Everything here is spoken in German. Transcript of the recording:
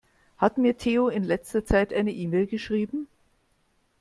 Hat mir Theo in letzter Zeit eine E-Mail geschrieben?